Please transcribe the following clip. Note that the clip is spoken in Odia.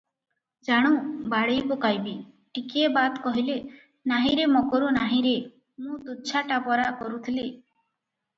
ଜାଣୁ, ବାଡ଼େଇ ପକାଇବି ।” ଟିକିଏ ବାଦ୍ କହିଲେ, “ନାହିଁରେ ମକରୁ ନାହିଁରେ, ମୁଁ ତୁଚ୍ଛା ଟାପରା କରୁଥିଲି!